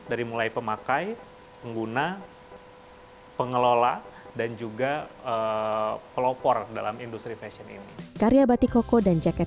dari mulai pemakai pengguna pengelola dan juga pelopor dalam industri fashion ini